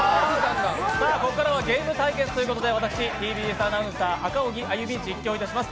ここからはゲーム対決ということで私、ＴＢＳアナウンサー・赤荻歩実況いたします。